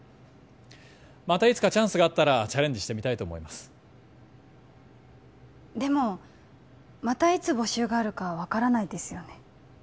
またいつかチャンスがあったらチャレンジしてみたいと思いますでもまたいつ募集があるか分からないですよね